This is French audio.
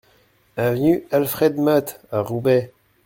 Avenue Alfred Motte à Roubaix